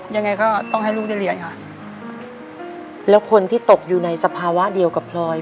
ยังไงก็ต้องให้ลูกได้เรียนค่ะแล้วคนที่ตกอยู่ในสภาวะเดียวกับพลอย